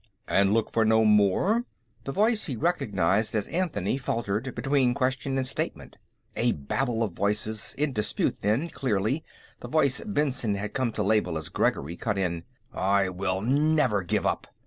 "And look for no more?" The voice he recognized as Anthony faltered between question and statement. A babel of voices, in dispute; then, clearly, the voice Benson had come to label as Gregory, cut in: "I will never give up!"